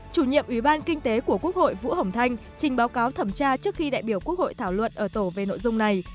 chủ nhiệm ủy ban kinh tế của quốc hội vũ hồng thanh trình báo cáo thẩm tra trước khi đại biểu quốc hội thảo luận ở tổ về nội dung này